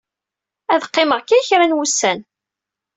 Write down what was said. Ad qqimeɣ kan kra n wussan.